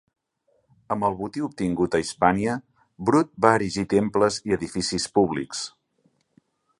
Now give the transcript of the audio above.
Amb el botí obtingut a Hispània, Brut va erigir temples i edificis públics.